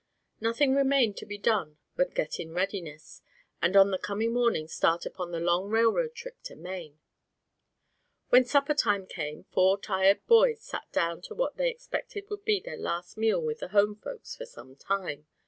Nothing remained to be done but get in readiness, and on the coming morning start upon the long railroad trip to Maine. When supper time came four tired boys sat down to what they expected would be their last meal with the home folks for some time.